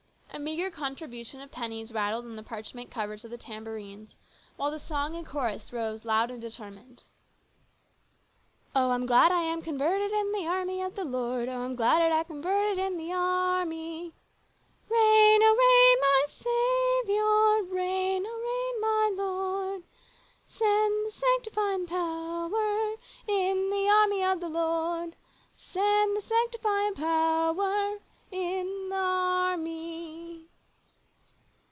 A meagre con tribution of pennies rattled on the parchment covers of the tambourines while the song and chorus rose loud and determined :" Oh ! I'm glad I am converted In the Army of the Lord ; Oh ! I'm glad I am converted In the Army. CHORUS. " Reign, oh, reign ! my Saviour ! Reign, oh, reign ! my Lord 1 Send the sanctifying power, In the Army of the Lord, Send the sanctifying power, In the Army.